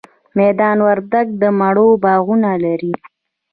میدان وردګ د مڼو باغونه لري